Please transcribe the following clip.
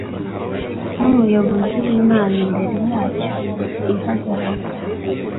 numuyobozi wimana imbere yacyo ihagarara